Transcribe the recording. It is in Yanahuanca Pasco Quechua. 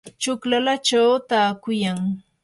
chuklallachaw taakuyan.